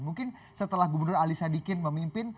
mungkin setelah gubernur ali sadikin memimpin